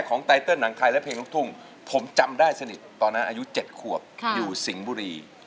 ไตเติลหนังไทยและเพลงลูกทุ่งผมจำได้สนิทตอนนั้นอายุ๗ขวบอยู่สิงห์บุรี